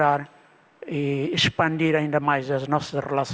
saya ingin mengucapkan karena ini adalah bicara dari saya